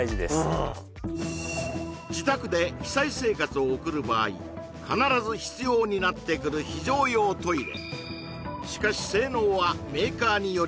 うん自宅で被災生活を送る場合必ず必要になってくる非常用トイレ